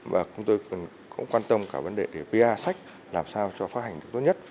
và chúng tôi cũng quan tâm cả vấn đề pa sách làm sao cho phát hành được tốt nhất